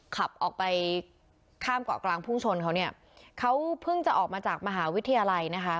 ขับออกไปข้ามเกาะกลางพุ่งชนเขาเนี่ยเขาเพิ่งจะออกมาจากมหาวิทยาลัยนะคะ